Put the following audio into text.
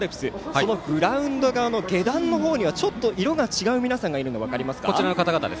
そのグラウンド側の下段の方にはちょっと色が違う皆さんがいるのが分かりますか。